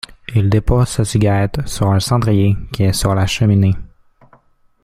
Il dépose sa cigarette sur un cendrier qui est sur la cheminée.